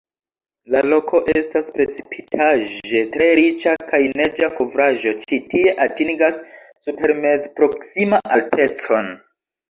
La loko estas precipitaĵe tre riĉa kaj neĝa kovraĵo ĉi tie atingas supermezproksima altecon.